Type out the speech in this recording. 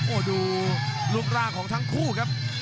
โอ้โหดูรูปร่างของทั้งคู่ครับ